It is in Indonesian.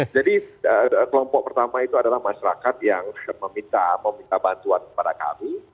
jadi kelompok pertama itu adalah masyarakat yang meminta bantuan kepada kami